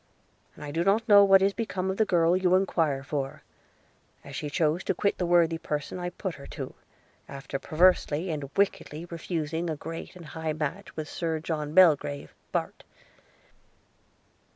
I do not know what is become of the girl you enquire for, as she chose to quit the worthy person I put her to, after perversely and wickedly refusing a great and high match with Sir John Belgrave, Bart.